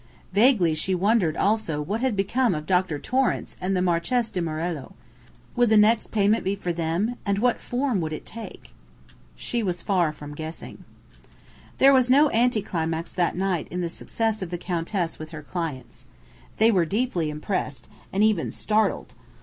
Vaguely she wondered also what had become of Dr. Torrance and the Marchese di Morello. Would the next payment be for them, and what form would it take? She was far from guessing. There was no anti climax that night in the success of the Countess with her "clients." They were deeply impressed, and even startled.